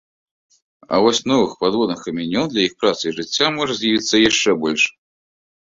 А вось новых падводных камянёў для іх працы і жыцця можа з'явіцца яшчэ больш.